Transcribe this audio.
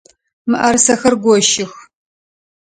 Мыӏэрысэхэр гощых!